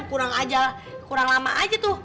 kurang lama aja tuh